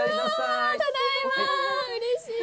うれしい！